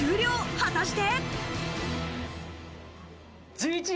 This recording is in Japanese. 果たして。